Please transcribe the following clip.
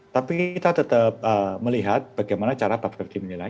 tapi kita tetap melihat bagaimana cara bapepri menilai